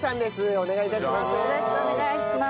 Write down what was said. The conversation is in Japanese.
お願い致します。